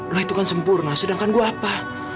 nah itu kan sempurna sedangkan gue apa